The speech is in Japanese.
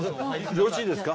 よろしいですか？